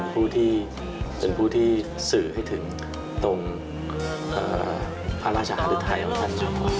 เป็นผู้ที่สื่อให้ถึงตรงพระราชาธิไทยของท่าน